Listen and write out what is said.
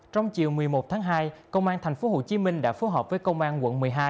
trong chiều một mươi một tháng hai công an thành phố hồ chí minh đã phối hợp với công an quận một mươi hai